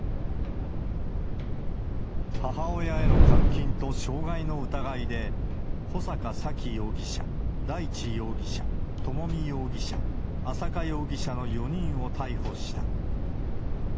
母親への監禁と傷害の疑いで、穂坂沙喜容疑者、大地容疑者、朝美容疑者、朝華容疑者の４人を逮捕した。